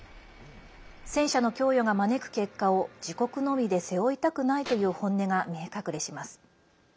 戦車の供与が招く結果を自国のみで背負いたくないという本音が見え隠れします。